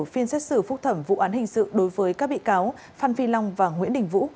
phiên xét xử phúc thẩm vụ án hình sự đối với các bị cáo phan phi long và nguyễn đình vũ